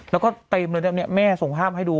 แล้วก็เต็มเลยเนี่ยแม่ส่งภาพให้ดู